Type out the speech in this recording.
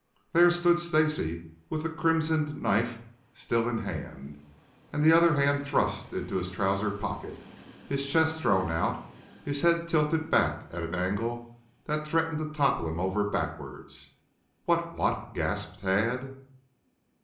There stood Stacy with the crimsoned knife still in hand, the other hand thrust in his trousers pocket, his chest thrown out, his head tilted back at an angle that threatened to topple him over backwards. "What what?" gasped Tad.